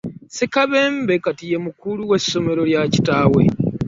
Ssekabembe kati ye mukulu w'essomero lya kitaawe.